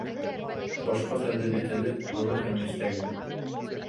Башҡорт әҙәби теле: бөгөн һәм иртәгә